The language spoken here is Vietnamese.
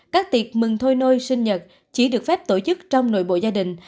các tiệc mừng thôi nôi sinh nhật chỉ được phép tổ chức trong nội bộ gia đình